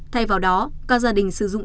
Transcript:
thay vào đó các gia đình sử dụng